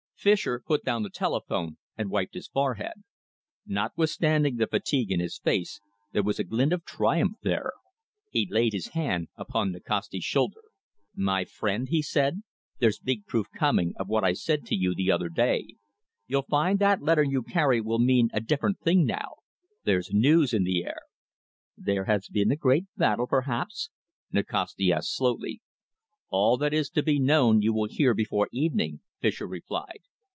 Fischer put down the telephone and wiped his forehead. Notwithstanding the fatigue in his face, there was a glint of triumph there. He laid his hand upon Nikasti's shoulder. "My friend," he said, "there's big proof coming of what I said to you the other day. You'll find that letter you carry will mean a different thing now. There's news in the air." "There has been a great battle, perhaps?" Nikasti asked slowly. "All that is to be known you will hear before evening," Fischer replied.